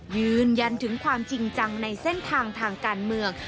ยืนยันถึงความจริงจังในเส้นทางทางการเมือง